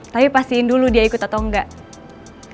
tapi pastiin dulu dia ikut atau enggak